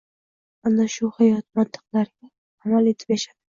Ana shu hayot mantiqlariga amal etib yashadi.